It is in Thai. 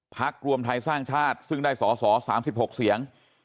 รวมไทยสร้างชาติซึ่งได้สอสอ๓๖เสียง